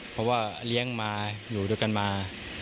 เพราะว่าเลี้ยงมาอยู่ด้วยกันมา